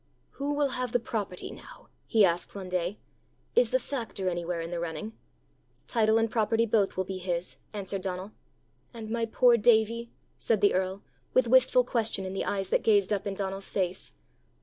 "Who will have the property now?" he asked one day. "Is the factor anywhere in the running?" "Title and property both will be his," answered Donal. "And my poor Davie?" said the earl, with wistful question in the eyes that gazed up in Donal's face.